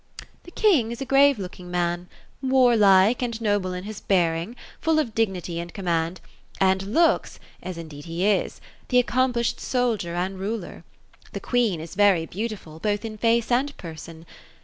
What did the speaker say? '^ The king is a grave looking man ; warlike and noble in his bear ing ; full of dignity and command j and looks, — as he indeed is — the accomplished soldier and ruler. The queen is very beautiful, both in fiioe and person.